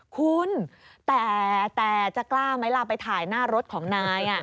คุณแต่จะกล้าไหมล่ะไปถ่ายหน้ารถของนาย